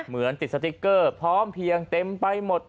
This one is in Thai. เหมือนติดสติ๊กเกอร์พร้อมเพียงเต็มไปหมด